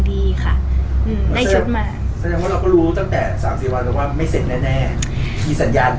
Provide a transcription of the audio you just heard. ประมาณ